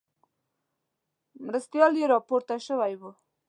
مرستیال یې راپورته شوی وو.